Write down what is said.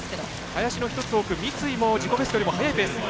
林の一つ奥、三井も自己ベストよりも速いペース。